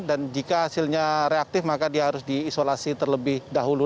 dan jika hasilnya reaktif maka dia harus diisolasi terlebih dahulu